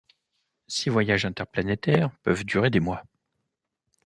Ces voyages interplanétaires peuvent durer des mois.